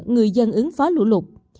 người dân ứng phó lũ lụt